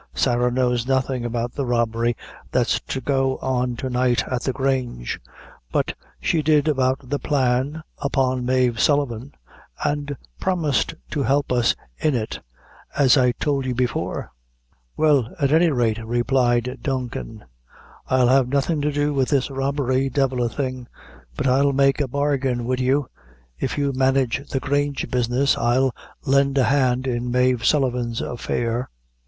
"Sarah knows nothing about the robbery that's to go on to night at the Grange, but she did about the plan upon Mave Sullivan, and promised to help us in it, as I tould you before." [Illustration: PAGE 913 I'll have nothing to do with this robbery] "Well, at any rate," replied Duncan, "I'll have nothing to do with this robbery devil a thing; but I'll make a bargain wid you if you manage the Grange business, I'll lend a hand in Mave Sullivan's affair."